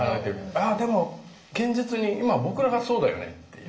あっでも現実に今僕らがそうだよねっていう。